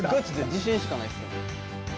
自信しかないっすけど。